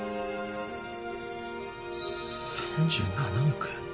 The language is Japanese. ３７億？